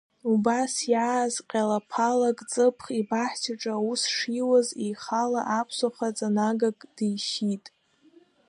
Убас иааз ҟьалаԥалак, ҵыԥх, ибаҳчаҿы аус шиуаз, еихала аԥсуа хаҵа нагак дишьит.